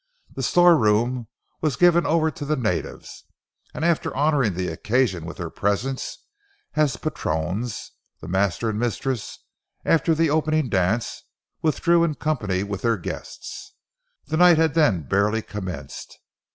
The storeroom was given over to the natives, and after honoring the occasion with their presence as patrons, the master and mistress, after the opening dance, withdrew in company with their guests. The night had then barely commenced.